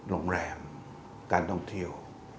โรงแรมการท่องเที่ยว